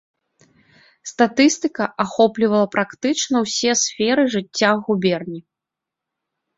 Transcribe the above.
Статыстыка ахоплівала практычна ўсе сферы жыцця губерні.